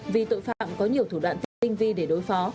vì tội phạm có nhiều thủ đoạn tinh vi để đối phó